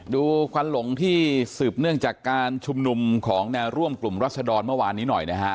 ควันหลงที่สืบเนื่องจากการชุมนุมของแนวร่วมกลุ่มรัศดรเมื่อวานนี้หน่อยนะฮะ